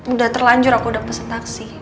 udah terlanjur aku udah peserta taksi